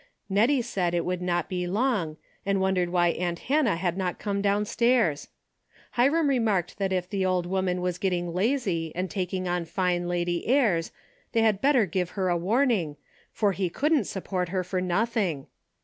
Nettie said it would not be long, and wondered why aunt Hannah did not come downstairs. Hiram remarked that if the old woman was getting lazy and taking on fine lady airs they had better give her a warning, for he couldn't support her for nothing.